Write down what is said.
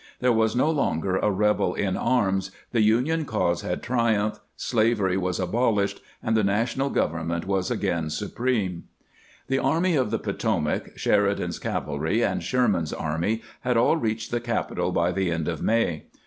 There was no longer a rebel in arms, the Union cause had triumphed, slavery was abolished, and the National Government was again supreme. The Army of the Potomac, Sheridan's cavalry, and Sherman's army had all reached the capital by the end of May.